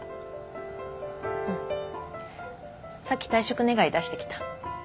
うんさっき退職願出してきた。